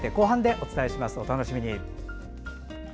お楽しみに。